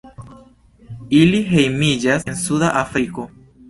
Ili hejmiĝas en Suda Afriko.